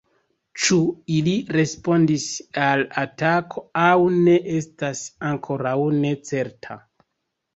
Ĉu ili respondis al atako aŭ ne estas ankoraŭ ne certa.